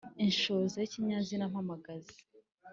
Inshoza y’ikinyazina mpamagazi